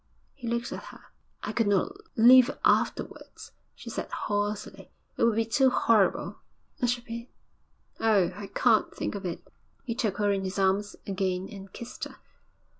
He looked at her. 'I could not live afterwards,' she said hoarsely. 'It would be too horrible. I should be oh, I can't think of it!' He took her in his arms again and kissed her.